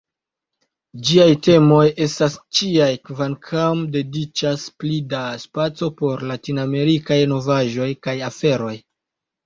Ĝiaj temoj estas ĉiaj kvankam dediĉas pli da spaco por latinamerikaj novaĵoj kaj aferoj.